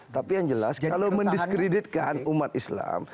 tapi yang jelas kalau mendiskreditkan umat islam